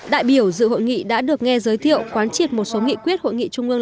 đại biểu dự hội nghị đã được nghe giới thiệu quán triệt một số nghị quyết hội nghị trung ương